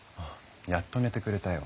やっと寝てくれたよ。